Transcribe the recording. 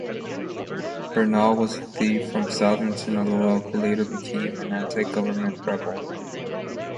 Bernal was a thief from southern Sinaloa who later became an anti-government rebel.